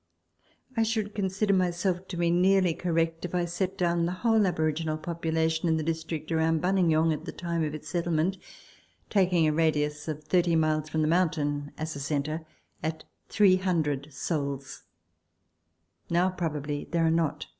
I should consider myself to be nearly correct if I set down the whole aboriginal population in the district around Buninyong at the time of its settlement taking a radius of 30 miles from the mountain as a centre at 300 souls ; now probably there are not 300.